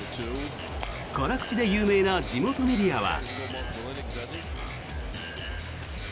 辛口で有名な地元メディアは。